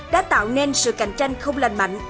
đã tạo nên sự cạnh tranh không lành mạnh